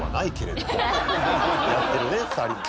やってるね２人も。